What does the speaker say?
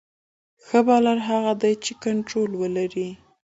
ښه بالر هغه دئ، چي کنټرول ولري.